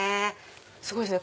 すごいですね